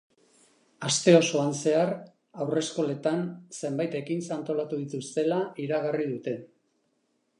Aste osoan zehar haurreskoletan zenbait ekintza antolatu dituztela iragarri dute.